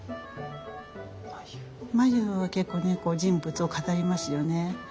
眉は結構ね人物を語りますよね。